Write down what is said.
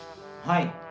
はい。